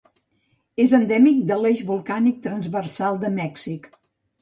És endèmic de l'Eix Volcànic Transversal de Mèxic.